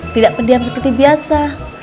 tidak pediam seperti biasa